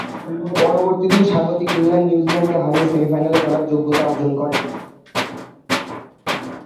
পরবর্তী দিন স্বাগতিক ইংল্যান্ড নিউজিল্যান্ডকে হারিয়ে সেমিফাইনালে খেলার যোগ্যতা অর্জন করে।